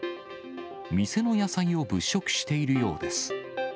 店の野菜を物色しているようです。